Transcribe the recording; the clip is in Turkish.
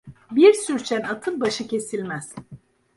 Bir sürçen atın başı kesilmez.